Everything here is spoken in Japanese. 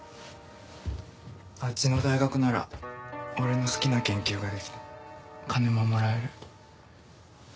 あっちの大学なら俺の好きな研究ができて金ももらえる。